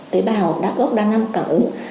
tế bào gốc đa năng cảm ứng